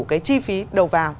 cái chi phí đầu vào